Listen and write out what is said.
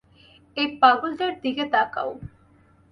এই পাগলটার দিকে তাকাও।